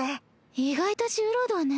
意外と重労働ね。